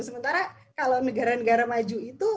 sementara kalau negara negara maju itu